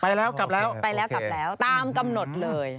ไปแล้วกลับแล้วตามกำหนดเลย